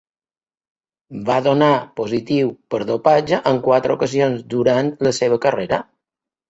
Va donar positiu per dopatge en quatre ocasions durant la seva carrera.